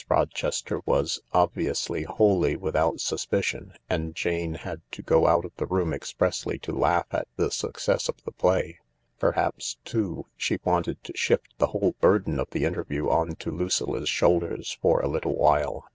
Rochester was, obviously, wholly without suspicion and Jane had to go out of the room expressly to laugh at the success of the play. Perhaps, too, she wanted to shift the whole burden of the interview on to Lucilla's shoulders for a little while.